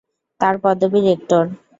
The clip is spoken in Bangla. তার পদবী রেক্টর।